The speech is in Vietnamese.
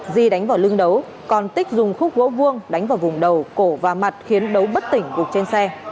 di đánh vào lưng đấu còn tích dùng khúc gỗ vuông đánh vào vùng đầu cổ và mặt khiến đấu bất tỉnh gục trên xe